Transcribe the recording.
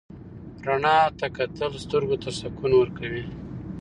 رڼا ته کتل سترګو ته سکون ورکوي.